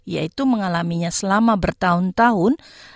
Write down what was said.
yaitu mengalaminya selama bertahun tahun